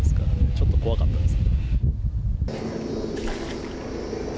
ちょっと怖かったです。